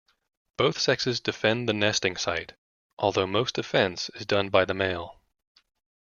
Both sexes defend the nesting site, although most defence is done by the male.